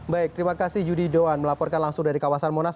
baik terima kasih yudi doan melaporkan langsung dari kawasan monas